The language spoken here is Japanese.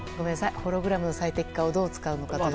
ホログラムの最適化をどう使うのか。